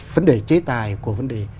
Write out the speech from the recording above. vấn đề chế tài của vấn đề